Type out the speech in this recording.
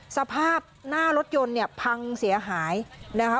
สภาพหน้ารถยนต์เนี่ยพังเสียหายนะคะ